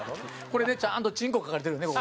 これねちゃんとチンコ描かれてるね